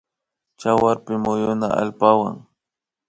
Tsawarpi muyuna allpawan